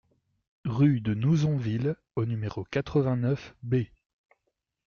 Rue de Nouzonville au numéro quatre-vingt-neuf B